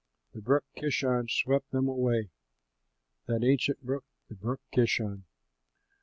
The brook Kishon swept them away, That ancient brook, the brook Kishon.